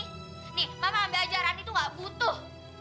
nih mama ambil aja rani tuh gak butuh